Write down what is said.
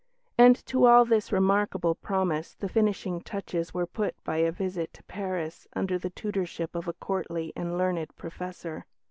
And to all this remarkable promise the finishing touches were put by a visit to Paris under the tutorship of a courtly and learned professor.